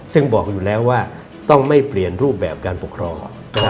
ซึ่งบอกอยู่แล้วว่าต้องไม่เปลี่ยนรูปแบบการปกครอง